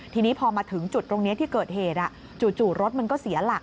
ทีนี้พอมาถึงจุดตรงนี้ที่เกิดเหตุจู่รถมันก็เสียหลัก